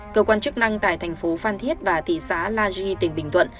cơ quan chức năng tại thành phố phan thiết và thị xá laji tỉnh bình thuận